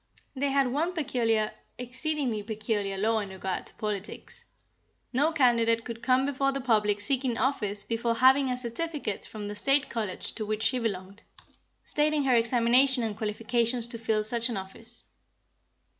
They had one peculiar exceedingly peculiar law in regard to politics. No candidate could come before the public seeking office before having a certificate from the State College to which she belonged, stating her examination and qualifications to fill such an office.